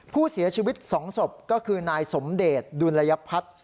ผู้เสียชีวิต๒ศพก็คือนายสมเดชดุลยพัฒน์